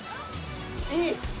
いい！